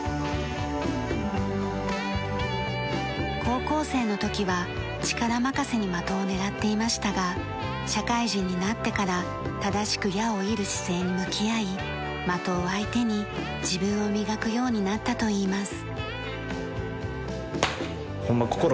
高校生の時は力任せに的を狙っていましたが社会人になってから正しく矢を射る姿勢に向き合い的を相手に自分を磨くようになったといいます。